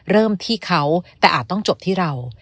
เริ่มที่เขาแต่อาจต้องจบที่เรา